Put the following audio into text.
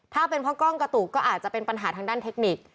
ถ้าเป็นเพราะกล้องกระตุกก็อาจจะเป็นปัญหาทางด้านเทคนิค